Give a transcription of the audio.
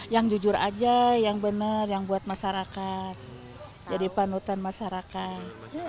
yang jujur aja yang benar yang buat masyarakat jadi panutan masyarakat